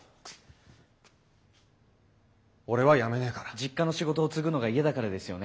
実家の仕事を継ぐのが嫌だからですよね？